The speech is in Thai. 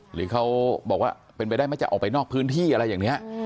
หรือเขาบอกว่าเป็นไปได้ไหมจะออกไปนอกพื้นที่อะไรอย่างนี้